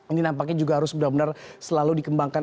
ini nampaknya juga harus benar benar selalu dikembangkan